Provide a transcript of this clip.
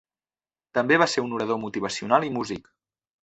També va ser un orador motivacional i músic.